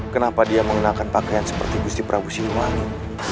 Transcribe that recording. kenapa dia menggunakan pakaian seperti gusti prabu siluani